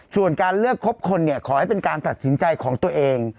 ส่วนการเลือกครบคนเนี่ยขอให้เป็นการตัดสินใจของตัวเอง